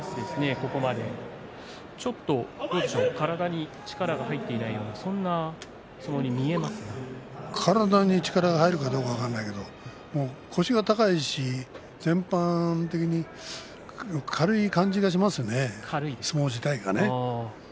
ここまで、ちょっと体に力が入っていないような体に力が入るかどうか分からないけど腰が高いし全般的に軽い感じがしますね相撲自体がね。